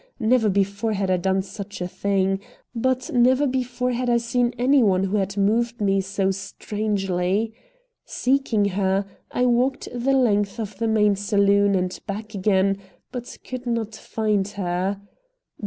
Never before had I done such a thing. But never before had I seen any one who had moved me so strangely. Seeking her, I walked the length of the main saloon and back again, but could not find her.